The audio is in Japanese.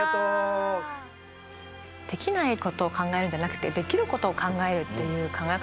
できないことを考えるんじゃなくてできることを考えるっていう考え方。